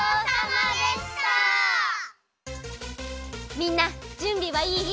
みんなじゅんびはいい？